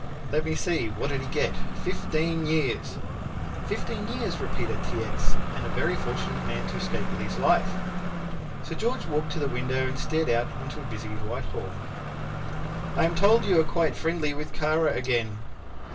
"Let me see, what did he get fifteen years!" "Fifteen years," repeated T. X., "and a very fortunate man to escape with his life." Sir George walked to the window and stared out on to busy Whitehall. "I am told you are quite friendly with Kara again."